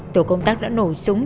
tổ công tác đã nổ súng